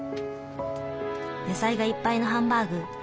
野菜がいっぱいのハンバーグ。